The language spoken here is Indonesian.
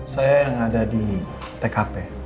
saya yang ada di tkp